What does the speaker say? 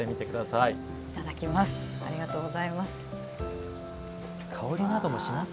いただきます。